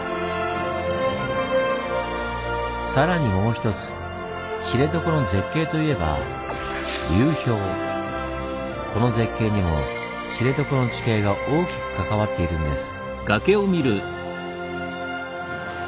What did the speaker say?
更にもう一つ知床の絶景といえばこの絶景にも知床の地形が大きく関わっているんです。